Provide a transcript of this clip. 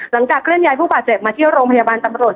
เคลื่อนย้ายผู้บาดเจ็บมาที่โรงพยาบาลตำรวจ